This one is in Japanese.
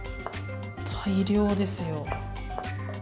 大量ですよ。